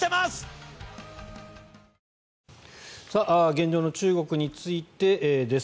現状の中国についてです。